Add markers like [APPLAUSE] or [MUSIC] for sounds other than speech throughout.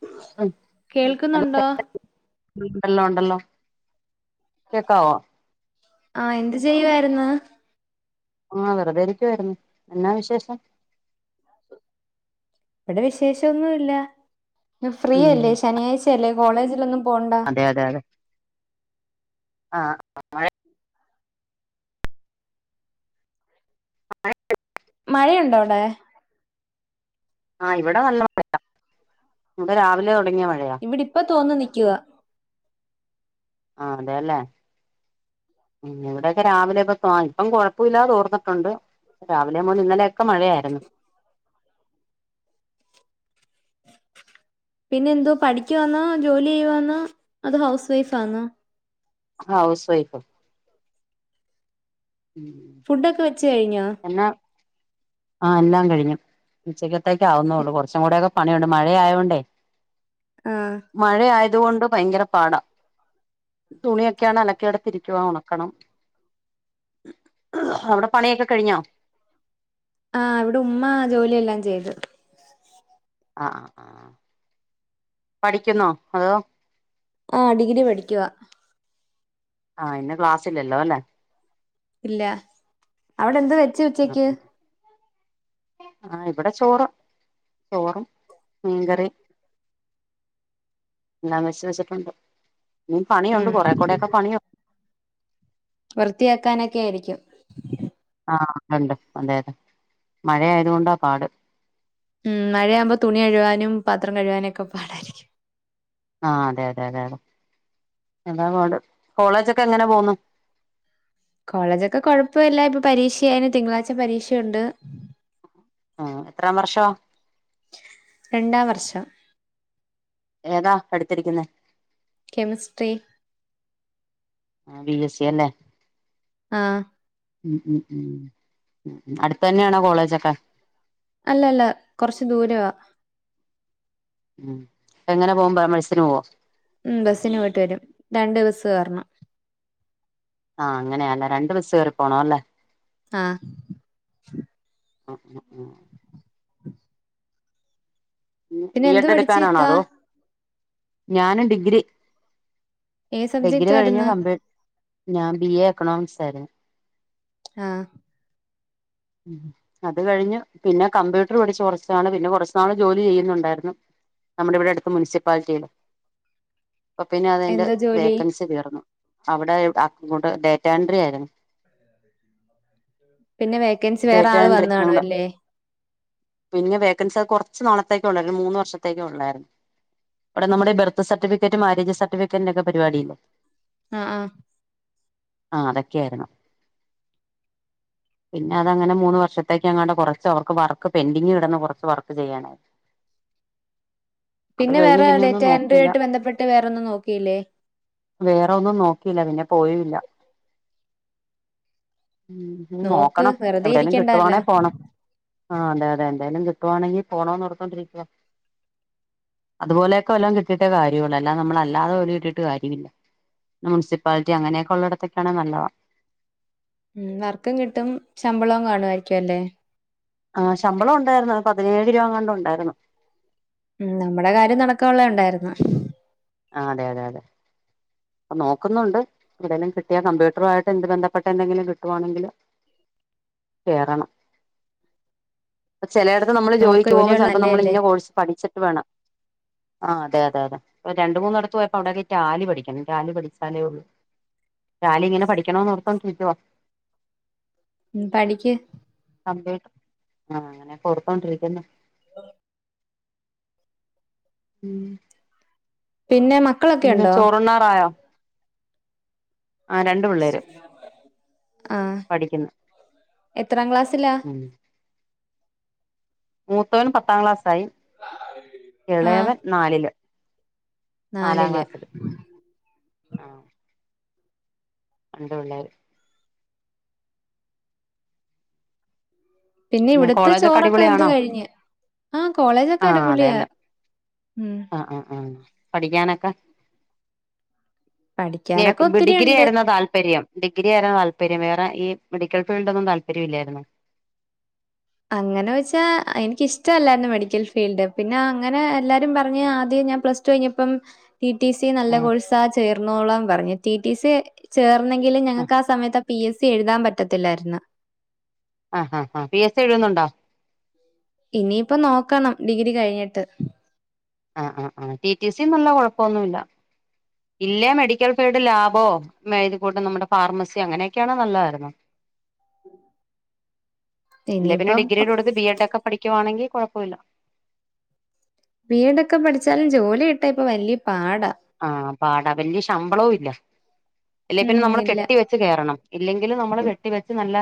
[UNINTELLIGIBLE] കേൾക്കുന്നുണ്ടോ ല്ലോ ണ്ടല്ലോ കേക്കാവാേ ആ എന്ത് ചെയ്യുവായിര്ന്ന് ആ വെറുതെ ഇരിക്കുവായ്ര്ന്ന് എന്നാ വിശേഷം ഇവിടെ വിശേഷ ഒന്നു ല്ലാ ഉം ഫ്രീയല്ലേ ശനിയാഴ്ചയല്ലേ കോളേജിലൊന്നും പോണ്ട അതെ അതെ അതെ ആ മയ മയണ്ട് മഴയുണ്ടോ അവ്ടെ ആ ഇവിടെ നല്ല മഴ [UNINTELLIGIBLE] രാവിലെ തുടങ്ങിയ മഴയാ ഇവിടിപ്പ തോർന്നു നി ക്ക്യുവാ ആ അതേല്ലേ ഉം ഇവിടെക്കെ രാവിലെപ്പ തോ ഇപ്പം കൊഴപ്പമില്ലാതെ തോർന്നിട്ടുണ്ട് രാവിലെ മുതൽ ഇന്നലെയെക്കെ മഴായ്ര്ന്നു പിന്നെ എന്തോ പഠിക്ക് വാന്നോ ജോലി ചെയ്യ് വാന്നോ അതോ ഹൗസ് വൈഫാന്നോ ഹൗസ് വൈഫാ ഫുഡൊക്കെ വെച്ച് കഴിഞ്ഞാ? എന്നാ ആ എല്ലാം കഴിഞ്ഞു ഉച്ചക്ക ത്തേക്ക് ആവുന്നുള്ളൂ കുറച്ചുകൂടെ ഒക്കെ പണിയുണ്ട്. മഴയായോണ്ടേ ആ മഴ ആയി അതുകൊണ്ട് ഭയങ്കര പാടാ തുണിയൊക്കെയാണ് അലക്കേടെത്ത് ഇരിക്കുവാണ്. കണം അവിടെ പണിയൊക്കെ കഴിഞ്ഞോ? ആ ഇവിടെ ഉമ്മ ജോലിയെല്ലാം ചെയ്ത്. ആ ആ ആ പഠിക്കുന്നോ, അതോ? ആ ഡിഗ്രി പഠിക്കുവാ. ആ ഇന്ന് ക്ലാസില്ലല്ലോ അല്ലെ ഇല്ല അവിടെ എന്ത് വെ ച്ച് ഉച്ചയ്ക്ക് ആ ഇവിടെ ചോറ്, ചോറും മീൻകറി എല്ലാം വെച്ച് വെച്ചിട്ടുണ്ട്. ഇനി പണിയുണ്ട് ഉം കുറെ കൂടെയെക്കെ പണിയു വൃത്തിയാക്കാനൊക്കെ ആയിരിക്കും ആ ണ്ട് അതെ അതെ മഴ ആയതോണ്ടാ പാട് ഉം മഴയാവുമ്പോ തുണി കൈആനും പാത്രം കഴുവാനും ഒക്കെ പാടായിരിക്കും ആഹ് അതെ അതെ അതെ അതെ എന്താ പാട് കോളേജ് ക്കെ എങ്ങനെ പോന്നു? കോളേജൊക്കെ കൊഴപ്പല്ല. ഇപ്പൊ പരീക്ഷയാണ്. തിങ്കളാഴ്ച പരീക്ഷയുണ്ട്. ആ എത്രാം വർഷാ? രണ്ടാം വർഷം ഏതാ കെടുത്തിരിക്കുന്നേ? കെമിസ്ട്രി ആ ബി എസ് സി അല്ലേ? ആ ഉം ഉം ഉം ഉ അടുത്തെന്നെണോ കോളേജൊക്കെ? അല്ല അല്ല കൊറച്ച് ദൂരവാ ഉം എങ്ങനെ പോഉം [UNINTELLIGIBLE] ബസിന് പോവോ? ഉം ബസ്സിന് പോയിട്ട് വരും. രണ്ട്ബസ് കേറണം. ആ അങ്ങനെയാലേ രണ്ടു ബസ്സ് കേറിപോണം അല്ലേ. ആ ഉഉഉ ന്നെ പിന്നെ ബീ എ എന്ത് ഡ് പഠിച്ച് എടുക്കാനാണോ ഇത്താ അതോ? ഞാനും ഡിഗ്രി ഏത് ഡിഗ്രി സബ്ജക്റ്റ് കഴിഞ്ഞു ആയിരുന്നു കമ്പ്യൂ ഞാൻ ബി എ എക്കണോമിക്സ് ആയിരുന്നു ആ ഉം അത് കഴിഞ്ഞു പിന്നെ കമ്പ്യൂട്ടർ പഠിച്ചു കൊറച്ചനാള് പിന്നെ കൊറച്ചു നാള് ജോലി ചെയ്യുന്നുണ്ടായിരുന്നു. നമ്മുടെ ഇവിടെ അടുത്ത മുനിസിപ്പാലിറ്റിയില് അപ്പൊ പിന്നെ അതിന്റെ എന്താ ജോലി വേക്കൻസി തീർന്നു- അവിടെ അക്കൗണ്ട് ഡേറ്റ എൻട്രി ആയിരുന്നു പിന്നെ വേക്കൻസി വേറെ ഡേറ്റ ആള് എൻട്രി വന്ന്കാണും നമ്മുടെ അല്ലേ? പിന്നെ വേക്കൻസ അത് കുറച്ച് നാളത്തേക്കേ ഉള്ളായിരുന്നു മൂന്ന് വർഷത്തേക്കേ ഉള്ളായിരുന്നു. ഇവിടെ നമ്മുടെ ബർത്ത് സർട്ടിഫിക്കറ്റ് മാരേജ് സർട്ടിഫിക്കറ്റിന്റെക്കെ പരിപാടില്ലേ? ആ ആഹ് ആ അതൊക്കെയായിരുന്നു പിന്നെ അത് അങ്ങന മൂന്ന് വർഷത്തേക്ക് അങ്ങാണ്ട് കൊറച്ച് അവർക്ക് വർക്ക് പെന്റിങ് കിടന്ന് കൊറച്ച് വർക്ക് ചെയ്യാനായിട്ട് പിന്നെ വേറെ ഡേറ്റ എൻട്രി ആയിട്ട് ബന്ധപ്പെട്ട് വേറോന്നും നോക്കിയില്ലേ? വേറൊന്നും നോക്കിയില്ല പിന്നെ പോയുംല്ല- ഉം നോ നോക്ക് ക്കണം വെറുതെ എവിടെലും ഇരിക്കണ്ടാല്ലോ കിട്ടുവാണേ പോണം ആഹ അതെ അതെ എന്തായാലും കിട്ടുവാണെങ്കിൽ പോണോനോർത്തോണ്ടിരിക്കുവാ അതുപോലെക്കെ വല്ലോം കിട്ടിയിട്ടേ കാര്യള്ളു അല്ലതെ നമ്മള് അല്ലാതെ ജോലി കിട്ടിട്ട് കാര്യമില്ല ഇല്ല മുൻസിപ്പാലിറ്റി അങ്ങനെയൊക്കെ ഉള്ളിടത്തൊക്കെയാണെ നല്ലതാ- ഉം വർക്കും കിട്ടും ശമ്പളവും കാണുവായിരിക്കും അല്ലേ? ആ ശമ്പളം ഉണ്ടായിരുന്നു പതിനേഴ് രൂവ എങ്ങാണ്ട് ഉണ്ടായിരുന്നു ഉം നമ്മുടെ കാര്യം നടക്കാൻള്ള ഉണ്ടായിര്ന്ന് ആ അതെ അതെ അതെ അപ് നോക്കുന്നുണ്ട് എന്തേലും കിട്ടിയാ കമ്പ്യൂട്ടറു ആയിട്ട് എന്ത് ബന്ധപ്പെട്ട് എന്തെങ്കിലും കിട്ടുവാണെങ്കില് കേറണം ചിലയിടത്ത് നമ്മള് നോക്ക് ജോലിക്ക് പോകുമ്പോ ജോലിയുള്ള ചിലപ്പോ നല്ലേ നമ്മള് അല്ലേ ഇന്ന കോഴ്സ് പഠിച്ചിട്ട് വേണം ആ അതെ അതെ അതെ രണ്ട് മൂന്നിടത്ത് പോയപ്പോ അവിടെക്ക ഈ റ്റാലി പഠിക്കണം റ്റാലി പഠിച്ചാലേ ഉള്ളൂ റ്റാലി ഇങ്ങനെ പഠിക്കണോന്നോർത്തോണ്ട് ഇരിക്കുവാ ഉം പഠിക്ക് [UNINTELLIGIBLE] ആ അങ്ങനെ കൊടുത്തോണ്ടിരിക്കുന്നു ഉ ഉം പിന്നെ മക്കളൊക്കെ പിന്നെ ഉണ്ടോ ചോറുണ്ണാറായോ ആഹ് രണ്ട് പിള്ളേര് ആഹ് പഠിക്കുന്നു എത്രാം ക്ലാസ്സിലാ മൂത്തോന് പത്താം ക്ലാസ്സ് ആയി ആ ഇളയവൻ നാലില് നാലാം നാലില് ക്ലാസ്സില് രണ്ട് പിള്ളേര് പിന്നെ ഇവിടത്തെ കോളേജൊക്കെ ചോറൊക്കെ വെന്ത് അടിപൊളിയാണോ കഴിഞ്ഞ് ആ കോളേജൊക്കെ അടിപൊളിയാ ഉം ആ ആ ആ പഠിക്കാനൊക്ക പഠിക്കാനൊക്കെ [UNINTELLIGIBLE] ഒത്തിരി ഡിഗ്രി ഉണ്ട് ആയിരുന്നു താല്പര്യം ഡി ഡിഗ്രി ആരുന്നോ താല്പര്യം വേറെ ഈ മെഡിക്കൽ ഫീൽഡ് ഒന്നും താല്പര്യമില്ലായിരുന്നോ അങ്ങനെ വെച്ചാ എനിക്കിഷ്ടല്ലായിരുന്നു മെഡിക്കൽ ഫീൽഡ് പിന്നെ അങ്ങനെ എല്ലാരും പറഞ്ഞ് ആദ്യം ഞാൻ പ്ലസ് ടു കഴിഞ്ഞപ്പം ടി ടി സി നല്ല ആഹ് കോഴ്സാ ചേർന്നോളം പറഞ്ഞ് റ്റി റ്റി സെ ചേർ ഒന്നെങ്കില് ആഹ് ഞങ്ങക്ക് ആ സമയത്തെ പി എസ് സി എഴുതാൻ പറ്റത്തില്ലായിരുന്നു ആ ആ ആ പി എ തെഴുന്നുണ്ടോ ഇനിയിപ്പ നോക്കണം ഡിഗ്രി കഴിഞ്ഞിട്ട് ആ ആ ആ ടി ടി സി നല്ല കൊഴപ്പൊന്നുല്ല ഇല്ലേ മെഡിക്കൽ ഫീൽഡ് ലാബോ മേ ഇത് കൂട്ട് നമ്മുടെ ഫാർമസിയോ അങ്ങനെയൊക്കെയാണേ നല്ലതായിരുന്നു ഇല്ലെ പിന്നെ ഇനിയിപ്പം ഡിഗ്രീടെ ഊടുത്ത് ബി എഡ് ഒക്കെ പഠിക്കുവാണെങ്കി കോഴ പോയില്ല ബി എ ഡ് ഒക്കെ പഠിച്ചാലും ജോലി കിട്ടാ ഇപ്പ വലിയ പാ ആ പാടാ വല്ല്യ ശമ്പളവും ഇല്ല അല്ലേ പിന്നെ ഉം നമ്മള് ഇല്ല കെട്ടി വെച്ച് കേറണം ഇല്ലെങ്കില് നമ്മള് ഉം കെട്ടിവെച്ച് നല്ല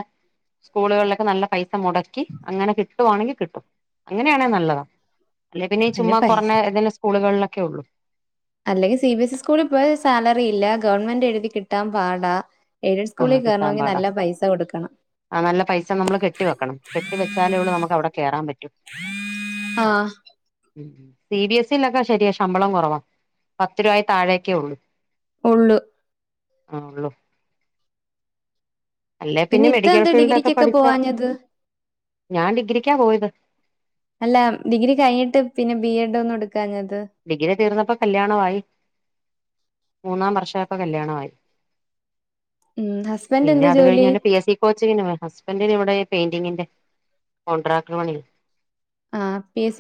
സ്കൂളുകളിലൊക്കെ നല്ല പൈസ മുടക്കി അങ്ങനെ കിട്ടുവാണെങ്കിൽ കിട്ടും അങ്ങനെയാണെ നല്ലതാ അല്ലെ പിന്നെ അതിന് ചുമ്മ പൈ കൊറഞ്ഞ ഇതില് സ്കൂളുകളില് ക്യോക്ക് അല്ലെങ്കിൽ സി ബി എസ് ഇ സ്കൂളിപ്പോയ സാലറി ഇല്ല ഗവൺമെന്റ് എഴുതി കിട്ടാൻ പാടാ എയ്ഡഡ് ആ സ്കൂളിൽ കിട്ടാൻ കേറണേങ്കി പാടാ നല്ല പൈസ കൊടുക്കണം ആ നല്ല പൈസ നമ്മൾ കെട്ടി വെക്കണം കെട്ടി വെച്ചാലേ ഉള്ളൂ നമുക്ക് അവിടെ കേറാൻ പറ്റൂ ആഹ് സി ബി എസ് ഇയിലൊക്കെ ശരിയാ ശമ്പളം കുറവാ പത്ത് രൂപ താഴേക്കെ ഉള്ളൂ ഉള്ളൂ ആ ഉള്ളൂ അല്ലെ പിന്നെ ഇത്ത മെഡി എന്താ ഫീൽഡൊക്കെ ഡിഗ്രിക്കൊക്കെ പഠച്ചാ പോവാഞ്ഞത്? ഞാൻ ഡിഗ്രിക്ക പോയ ത് [INAUDIBLE] അല്ല ഡിഗ്രി കഴിഞ്ഞിട്ട് പിന്നെ ബി എഡ് ഒന്നും എടു ഡിഗ്രി തീർന്നപ്പോ കല്യാണവായി മൂന്നാം വർഷായപ്പ കല്യാണവായി ഉം ഹസ്ബൻഡ് പിന്നെ എന്ത് അത് കഴിഞ്ഞ് ജോലി? പിന്നെ പി എസ് സി കോച്ചിങ്ങിന് പോയ്‌ ഹസ്ബന്ഡിനിവിടെ പെയിന്റിങ്ങിന്റെ കോൺട്രാക്റ്റ് പണി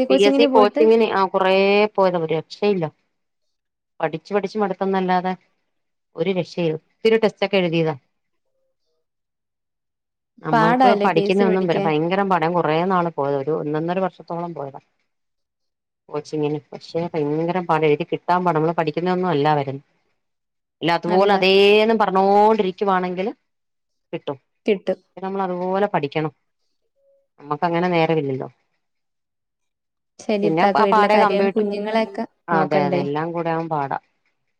പി എസ് സി കോച്ചിങ്ങിന് ആ കൊറേ [UNINTELLIGIBLE] രക്ഷയില്ല പഠിച്ചു പഠിച്ച് മടുത്തന്നല്ലാതെ ഒരു രക്ഷയു ഒത്തിരി ടെസ്റ്റൊക്കെ എഴുതിയതാ നമ്മൾക്ക് പാടാല്ലേ പി എസ് സി പഠിക്കുന്ന ഒന്നും പഠിക്കാൻ? ഭയങ്കര പഠം കുറേ നാള് പോയതാ ഒരു ഒന്നൊന്നര വർ ഷത്തോളം പോയതാ കോച്ചിങ്ങിന് പക്ഷെ ഭയങ്കര പാട എഴുതി കിട്ടാൻ പാട നമ്മള് പഠിക്കുന്നൊന്നും അല്ല വരുന്ന ഇല്ലാഅത് പോലെ അല്ല അതേനും പറ പറന്നോണ്ടിരിക്കുവാണെങ്കിൽ കിട്ടും കിട്ടും. അപ്പ നമ്മൾതുപോലെ പഠിക്കണം നമ്മക്ക് അങ്ങനെ നേര ഇല്ലല്ലോ ശരി പിന്നെ ഇത്താക്ക് ആ വീട്ടിലെ പാടെ കാര്യം കമ്പ്യൂട്ടർ കുഞ്ഞുങ്ങളെയൊക്കെ അതെ അതെ നോക്കണ്ടേ? എല്ലാം കൂടെ അതും പാടാം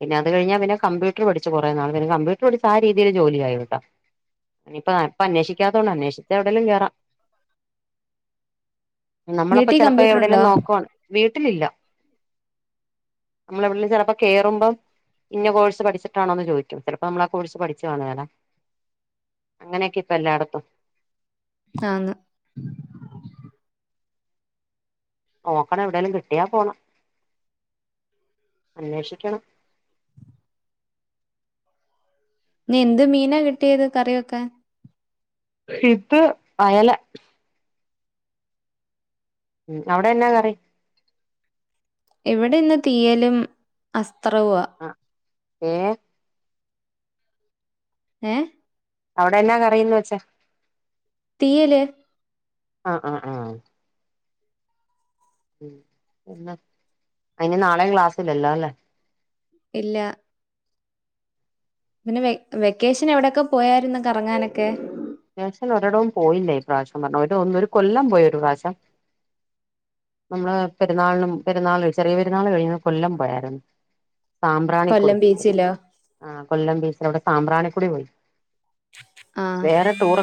പിന്നെ അത് കഴിഞ്ഞാ പിന്നെ കമ്പ്യൂട്ടർ പഠിച്ച് കൊറെ നാൾ പിന്നെ കമ്പ്യൂട്ടർ പഠിച്ച് ആ രീതിയിൽ ജോലി ആയിട്ട ഇനിയിപ്പ ഇപ്പൊ അന്വേഷിക്കാത്തൊണ്ട് അന്വേഷിച്ച എവിടങ്കലും കേറാം നമ്മളപ്പ വീട്ടിൽ ചെിലപ്പോ കമ്പ്യൂട്ടർ എവിടെയെലും ഉണ്ടോ? നോക്കുവാണ് വീട്ടിലില്ലോ നമ്മളവിടെലും ചിലപ്പോ കേറുമ്പം ഇന്ന കോഴ്സ് പഠിച്ചിട്ടാണോന്ന് ചോദിക്കും ചിലപ്പോ നമ്മളാ കോഴ്സ് പഠിച്ചു കാണേല്ല അങ്ങനെയൊക്കെ ഇപ്പ എല്ലായിടത്തും ആന്ന് നോക്കണം എവിടെലും കിട്ടിയാ പോണം അന്വേഷിക്കണം ഇന്ന് എന്ത് മീനാ കിട്ടിയത് കറിവെക്കാൻ ഇത് അയല ഉ അവിടെ എന്നാ കറി- എവിടെ ഇന്ന് തീയലും അസ്- ആ ഏ ഏ അവിടെ എന്നാ കറിയന്ന് വെച്ചാ തീയല്- ആ ആ ആ ഉ പിന്നേ അയിന് നാളെയും ക്ലാസ്സില്ലല്ലോ അല്ലേ ഇല്ലാ പിന്നെ വെ വെക്കേഷൻ എവിടെക്കെ പോയായിരുന്നു കറങ്ങാനൊക്കെ വെക്കേഷൻ ഒരിടവും പോയില്ല ഇപ്രാവശ്യം പറഞ്ഞു ഒരു ഒ ഒരു കൊല്ലം പോയി ഒരു പ്രാവശ്യം നമ്മള് പെരുന്നാളിനും പെരുന്നാൾ ചെറിയ പെരുന്നാള് കഴിഞ്ഞ് കൊല്ലം പോയാരുന്നു സാമ്പ്രാണിക്കൊടി കൊല്ലം വേറെ ബീച്ചിലോ ആ കൊല്ലം ബീച്ചിലവിടെ സാമ്പ്രാണി ക്കൊടി പോയി ആ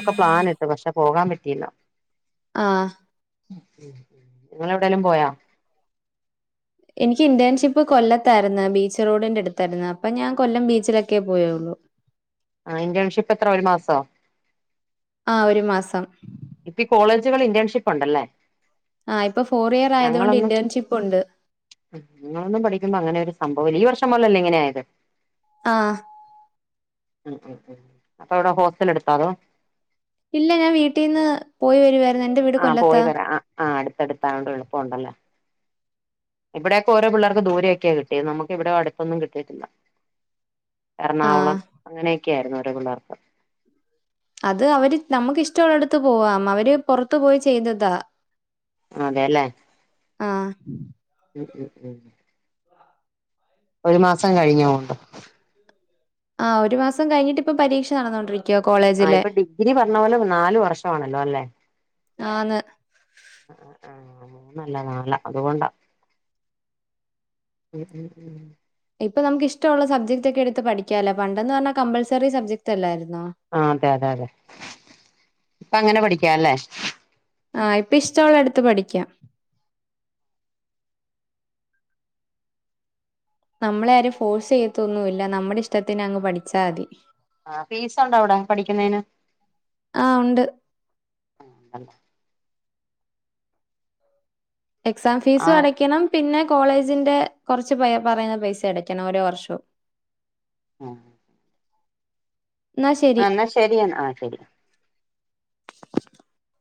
യൊക്കെ പ്ലാനിട്ട് പക്ഷെ പോകാൻ പറ്റിയില്ല ആ നിങ്ങളെവിടേലും പോയോ എനിക്ക് ഇന്റേൺഷിപ്പ് കൊല്ലത്തായിരുന്നു ബീച്ച് റോഡിന്റെ അടുത്തായിരുന്നു അപ്പൊ ഞാൻ കൊല്ലം ബീച്ചിലൊക്കെയേ പോയുള്ളു ആ ഇന്റേൺഷിപ്പ് എത്ര ഒരു മാസവോ? ആ ഒരു മാസം ഇപ്പ ഈ കോളേജുകൾ ഇന്റേൺഷിപ്പ് ഉണ്ടല്ലേ ആഹ് ഇപ്പൊ ഫോർ ഇയർ ആയതുകൊണ്ട് ഞങ്ങളൊന്നും ഇന്റേൺഷിപ്പ് ഉണ്ട് ഞങ്ങളൊന്നും പഠിക്കുമ്പോ അങ്ങനെ ഒരു സംഭവംഇല്ല ഈ വർ ഇക്കൊല്ലം അല്ലേ ഇങ്ങനെ ആയത് ആ ഉം ഉം ഉം അപ്പൊ അവിടെ ഹോസ്റ്റൽ എടുത്തോ അതോ ഇല്ല ഞാൻ വീട്ടീന്ന് പോയി വരുവായിരുന്നു എന്റെ വീട് ആ പോയി കൊല്ലത്താ വരാം ആ അടു അടുത്തായോണ്ട് എളുപ്പം ഒണ്ടല്ലേ, ഇവിടെയൊക്കെ ഓരോ പിള്ളേർക്ക് ദൂരെയൊക്കെയാ കിട്ടിയത്, നമുക്ക് ഇവിടെ അടുത്തൊന്നും കിട്ടിയിട്ടില്ല. എറണാകുളം ആഹ് അങ്ങനെയൊ ക്കെയായിരുന്നു ഓരോ പിള്ളേർക്ക് അത് അവര് നമക്ക് ഇഷ്ട ഒളളയിടത്ത് പോവാ, അവര് പൊറത്തു പോയി ചെയ്തതാ. അതെല്ലേ ആ ഉം ഉം ഉം ഒരു മാസം കഴിഞ്ഞോണ്ട് ആ ഒരു മാസം കഴിഞ്ഞിട്ട് ഇപ്പ പരീക്ഷ നടന്നു കൊണ്ടിരി ആഹ് ഇപ്പൊ ഡിഗ്രി പറഞ്ഞ പോലെ നാല് വർഷാണല്ലോല്ലെ ആന്ന് ആഹ് ആഹ് മൂന്നല്ല നാലാ അതുകൊണ്ടാ ഇപ്പൊ നമുക്കിഷ്ടുള്ള സബ്ജക്ട് ഒക്കെ എടുത്ത് പഠിക്കാല്ലോ, പണ്ടെന്നു പറഞ്ഞാ കമ്പൽസറി സബ്ജക്റ്റ് അല്ലായിരു ആ അതെ അതെ അതെ ഇപ്പ അങ്ങനെ പഠിക്കാല്ലേ ആ ഇപ്പൊ ഇഷ്ടമുള്ള എടുത്ത് പഠിക്കാം നമ്മളെ ആരും ഫോഴ്സ് ചെയ്യത്തൊന്നുമില്ല നമ്മുടെ ഇഷ്ടത്തിന് അങ്ങ് പഠിച്ചാൽ മതി ആ ഫീസുണ്ടോ അവിടാ പഠിക്കുന്നതിന് ആ ഉണ്ട് എക്സാം ആ ഫീസ് അടയ്ക്കണം പിന്നെ കോളേജിന്റെ കൊറച്ച് പറയുന്ന പൈസ അടയ്ക്കണം ഓരോ വർഷവും ആ എന്നാ ശരിയ ആ ശരി [UNINTELLIGIBLE]